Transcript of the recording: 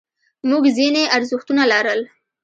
موږ ځینې ارزښتونه لرل.